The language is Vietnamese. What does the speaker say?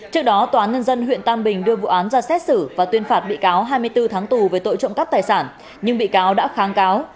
trước đó tòa án nhân dân huyện tam bình đưa vụ án ra xét xử và tuyên phạt bị cáo hai mươi bốn tháng tù về tội trộm cắp tài sản nhưng bị cáo đã kháng cáo